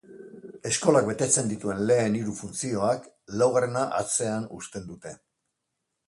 Eskolak betetzen dituen lehen hiru funtzioak laugarrena atzean uzten dute.